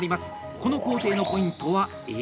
この工程のポイントは「襟」。